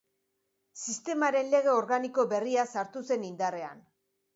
Sistemaren Lege Organiko berria sartu zen indarrean.